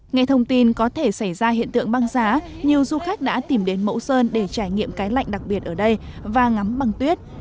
ngay thông tin có thể xảy ra hiện tượng băng giá nhiều du khách đã tìm đến mẫu sơn để trải nghiệm cái lạnh đặc biệt ở đây và ngắm băng tuyết